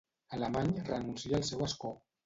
Alamany renuncia al seu escó.